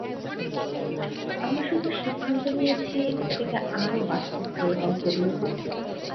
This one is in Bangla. আমরা শুধু সিদ্ধান্ত নিয়েছি এটাকে আরো বাস্তব করে গল্প বলবো।